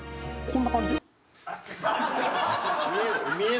こんな感じ。